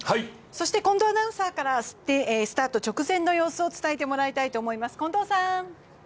そして近藤アナウンサーからスタート直前の様子を伝えたいと思います。